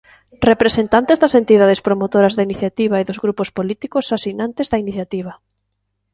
Representantes das entidades promotoras da iniciativa e dos grupos políticos asinantes da iniciativa.